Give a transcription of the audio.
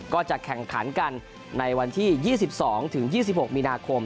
ก็จะแข่งขันกันในวันที่๒๒๒๖มีนาคม